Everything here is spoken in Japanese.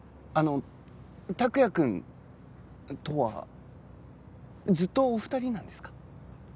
あの託也くんとはずっとお二人なんですか？